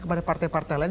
kepada partai partai lain